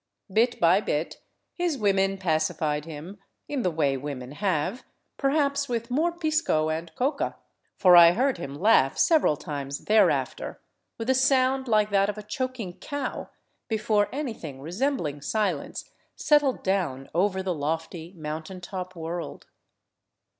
Bit by bit his women pacified him, in the way women have, perhaps with mora pisco and coca, for I heard him laugh several times thereafter, wilh a 367 VAGABONDING DOWN THE ANDES sound like that of a choking cow, before anything resembling silence settled down over the lofty mountain top world.